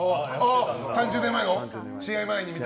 ３０年前の試合前に。